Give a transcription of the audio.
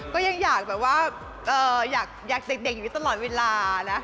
ก็ยังอยากแบบว่าอยากเด็กอยู่ตลอดเวลานะ